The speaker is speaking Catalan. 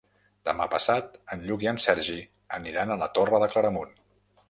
Demà passat en Lluc i en Sergi aniran a la Torre de Claramunt.